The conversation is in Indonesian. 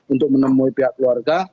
untuk menemui pihak warga